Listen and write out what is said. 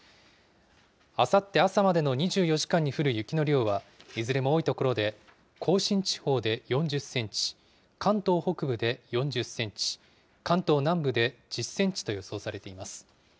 あさって朝までの２４時間に降る雪の量は、いずれも多い所で、甲信地方で４０センチ、関東北部で４０センチ、関東南部で１０センチと予想されています。